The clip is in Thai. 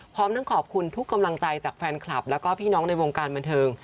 พร้อมทั้งขอบคุณทุกกำลังใจจากแฟนคลับแล้วก็พี่น้องในวงการบันเทิง